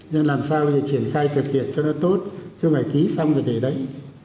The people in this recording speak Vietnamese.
nên làm sao để triển khai thực hiện cho nó tốt chứ không phải ký xong rồi để đấy